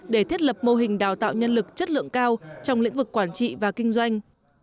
để thiết lập mô hình đào tạo nhân lực chất lượng cao trong lĩnh vực quản trị và kinh doanh